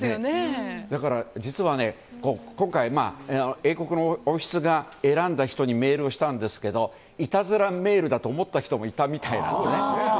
実は、今回英国の王室が選んだ人にメールをしたんですがいたずらメールだと思った人もいたみたいですね。